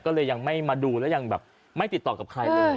ก็เลยยังไม่มาดูแล้วยังแบบไม่ติดต่อกับใครเลย